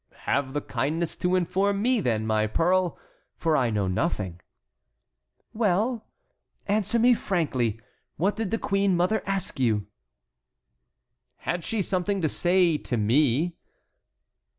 "Have the kindness to inform me, then, my pearl, for I know nothing." "Well, answer me frankly. What did the queen mother ask you?" "Had she something to say to me?"